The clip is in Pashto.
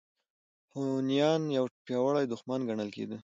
هونیان یو پیاوړی دښمن ګڼل کېده.